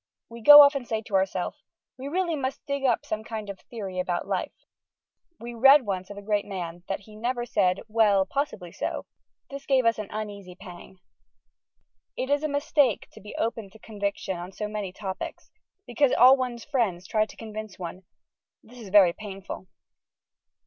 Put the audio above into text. We go off and say to ourself, We really must dig up some kind of Theory about Life. We read once of a great man that he never said, "Well, possibly so." This gave us an uneasy pang. It is a mistake to be Open to Conviction on so many topics, because all one's friends try to convince one. This is very painful.